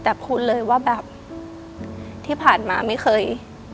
แต่พูดเลยว่าแบบที่ผ่านมาไม่เคย